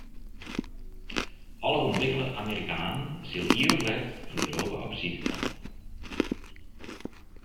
Alle ûntwikkele Amerikanen sille ier of let yn Europa op besite komme.